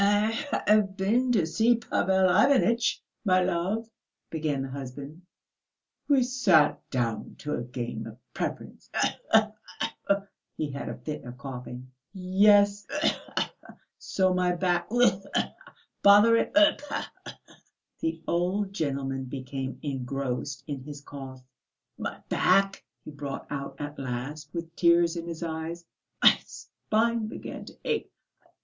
"I have been to see Pavel Ivanitch, my love," began the husband. "We sat down to a game of preference. Khee khee khee!" (he had a fit of coughing). "Yes ... khee! So my back ... khee! Bother it ... khee khee khee!" And the old gentleman became engrossed in his cough. "My back," he brought out at last with tears in his eyes, "my spine began to ache....